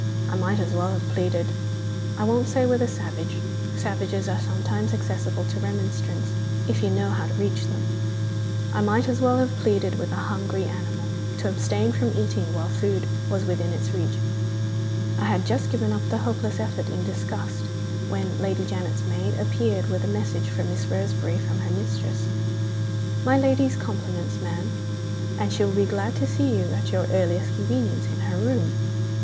I might as well have pleaded I won't say with a savage; savages are sometimes accessible to remonstrance, if you know how to reach them I might as well have pleaded with a hungry animal to abstain from eating while food was within its reach. I had just given up the hopeless effort in disgust, when Lady Janet's maid appeared with a message for Miss Roseberry from her mistress: 'My lady's compliments, ma'am, and she will be glad to see you at your earliest convenience, in her room.